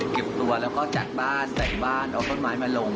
เก็บตัวแล้วก็จัดบ้านใส่บ้านเอาต้นไม้มาลง